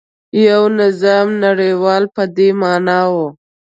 د یوه نظام نړول په دې معنا و.